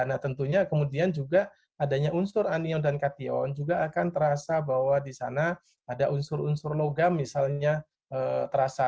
nah tentunya kemudian juga adanya unsur anion dan kation juga akan terasa bahwa di sana ada unsur unsur logam misalnya terasa